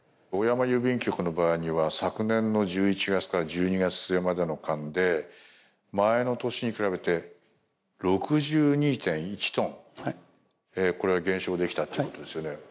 小山郵便局の場合には昨年の１１月から１２月末までの間で前の年に比べて６２．１トンこれは減少できたっていうことですよね。